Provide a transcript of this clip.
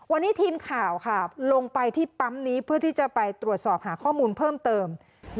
วันนี้ทีมข่าวลงไปที่ปั๊มนี้เพื่อที่จะไปตรวจสอบหาข้อมูลเพิ่มเติม